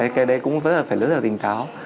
cái đấy cũng phải rất là tỉnh táo